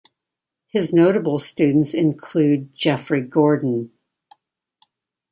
His notable students include Geoffrey Gordon.